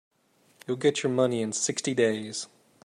You'll get your money in sixty days.